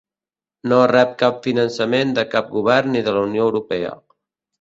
No rep cap finançament de cap govern ni de la Unió Europea.